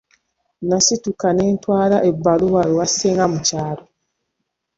Nasituka ne ntwala ebbaluwa ewa ssenga mu kyalo.